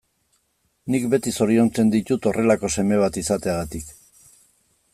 Nik beti zoriontzen ditut horrelako seme bat izateagatik.